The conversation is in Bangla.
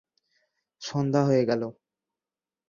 সন্ধ্যা হয়ে গেল।